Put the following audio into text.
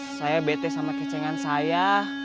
saya bete sama kecengan saya